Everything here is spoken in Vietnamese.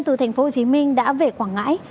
từ thành phố hồ chí minh đã về quảng ngãi